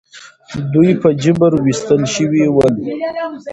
دوی په جبر ویستل شوي ول.